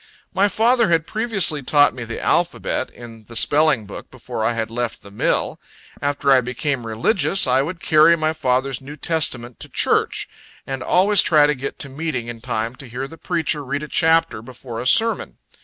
My father had previously taught me the alphabet, in the spelling book, before I had left the mill. After I became religious, I would carry my father's New Testament to church, and always try to get to meeting in time to hear the preacher read a chapter before sermon.